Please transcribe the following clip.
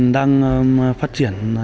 đang phát triển